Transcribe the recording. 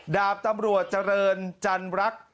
ดาบตำรวจเจริญจันรัก